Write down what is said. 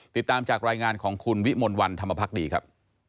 ติดตามจากรายงานของคุณวิมลวันธรรมพักดีครับ